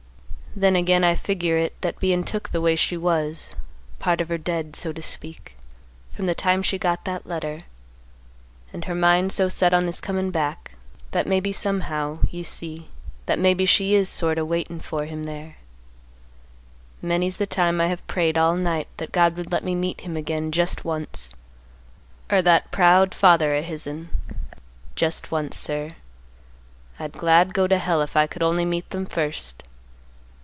Then again I figure it that bein' took the way she was, part of her dead, so to speak, from the time she got that letter, and her mind so set on his comin' back, that maybe somehow—you see—that maybe she is sort a waitin' for him there. Many's the time I have prayed all night that God would let me meet him again just once, or that proud father of his'n, just once, sir; I'd glad go to Hell if I could only meet them first.